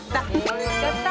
やった！